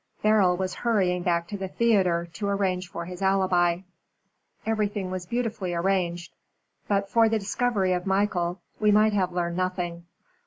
Beryl was hurrying back to the theatre to arrange for his alibi. Everything was beautifully arranged. But for the discovery of Michael, we might have learned nothing.